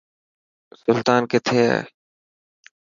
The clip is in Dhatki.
سلطان ڪٿي هي؟